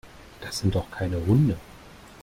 Das sind doch keine Hunde.